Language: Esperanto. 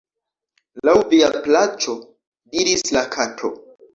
"Laŭ via plaĉo," diris la Kato.